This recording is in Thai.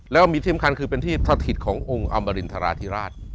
แล้วมีที่สำคัญคือเป็นที่สถิตขององค์อมรินทราธิราช